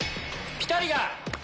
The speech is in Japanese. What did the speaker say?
ピタリが！